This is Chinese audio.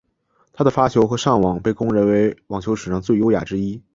他的发球和上网被公认为网球史上最优雅之一。